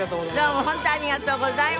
ありがとうございます。